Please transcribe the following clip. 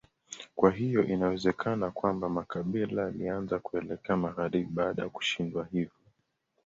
Kwa hiyo inawezekana kwamba makabila yalianza kuelekea magharibi baada ya kushindwa hivyo.